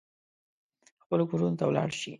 خپلو کورونو ته ولاړ شي.